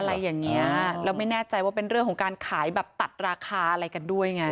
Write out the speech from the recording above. อะไรอย่างเงี้ยแล้วไม่แน่ใจว่าเป็นเรื่องของการขายแบบตัดราคาอะไรกันด้วยไง